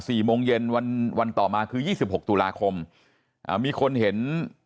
เอ่อ๔โมงเย็นวันวันต่อมาคือ๒๖ตุลาคมอ่ามีคนเห็น